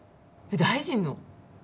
大臣の？